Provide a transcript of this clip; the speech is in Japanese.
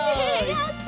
やった！